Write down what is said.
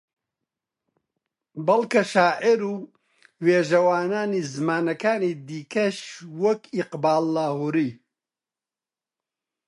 بەڵکە شاعیر و وێژەوانانی زمانەکانی دیکەش وەک ئیقباڵ لاھووری